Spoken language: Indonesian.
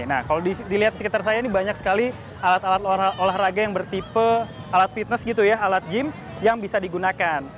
nah kalau dilihat di sekitar saya ini banyak sekali alat alat olahraga yang bertipe alat fitness gitu ya alat gym yang bisa digunakan